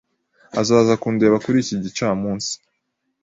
Azaza kundeba kuri iki gicamunsi